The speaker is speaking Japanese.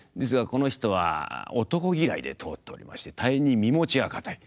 この人は男嫌いで通っておりまして大変に身持ちが堅い。